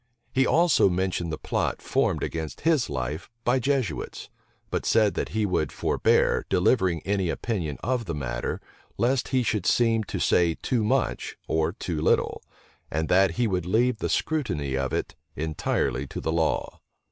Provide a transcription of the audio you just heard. He also mentioned the plot formed against his life by Jesuits; but said that he would forbear delivering any opinion of the matter, lest he should seem to say too much or too little; and that he would leave the scrutiny of it entirely to the law.